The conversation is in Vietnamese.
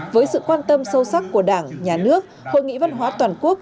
với sự quan tâm sâu sắc của đảng nhà nước hội nghị văn hóa toàn quốc